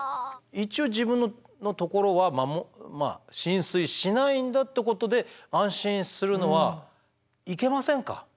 一応自分のところは浸水しないんだってことで安心するのはいけませんか？